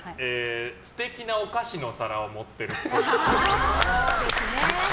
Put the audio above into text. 素敵なお菓子のお皿を持ってるっぽい。